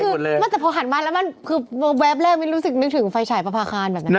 ไม่แต่พอหันมาแล้วมันคือแวบแรกไม่รู้สึกนึกถึงไฟฉายประพาคารแบบนั้น